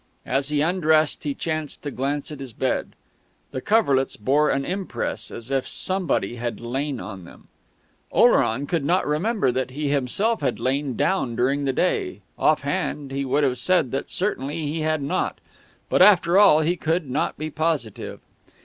As he undressed, he chanced to glance at his bed. The coverlets bore an impress as if somebody had lain on them. Oleron could not remember that he himself had lain down during the day off hand, he would have said that certainly he had not; but after all he could not be positive.